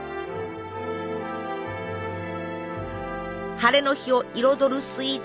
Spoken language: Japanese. ハレの日を彩るスイーツ